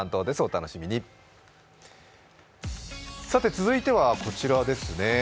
続いては、こちらですね。